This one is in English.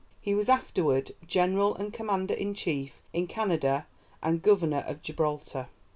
He was afterward General and Commander in Chief in Canada and Governor of Gibraltar.